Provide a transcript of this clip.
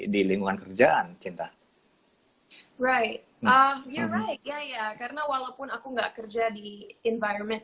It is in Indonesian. di lingkungan kerjaan cinta right you're right ya ya karena walaupun aku nggak kerja di environment